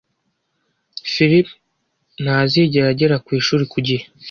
Philip ntazigera agera ku ishuri ku gihe.